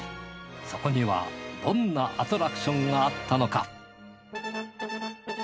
そこにはどんなアトラクションがあったのか？